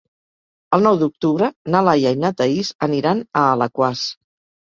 El nou d'octubre na Laia i na Thaís aniran a Alaquàs.